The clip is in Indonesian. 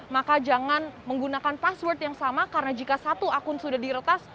maka jangan menggunakan password yang sama karena jika satu akun sudah diretas